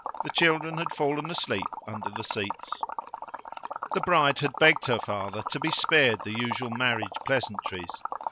The children had fallen asleep under the seats. The bride had begged her father to be spared the usual marriage pleasantries.